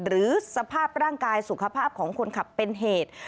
หรือสภาพร่างกายสุขภาพของคนขับเป็นเหตุ